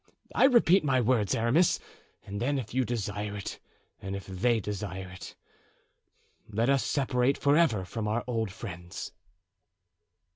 I repeat my words, Aramis, and then, if you desire it, and if they desire it, let us separate forever from our old friends."